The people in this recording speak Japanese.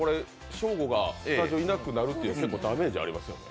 ショーゴさん、スタジオいなくなるって結構ダメージありますよね？